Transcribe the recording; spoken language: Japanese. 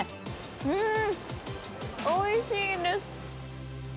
んおいしいです！